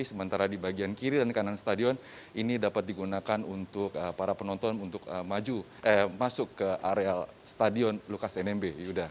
sementara di bagian kiri dan kanan stadion ini dapat digunakan untuk para penonton untuk masuk ke areal stadion lukas nmb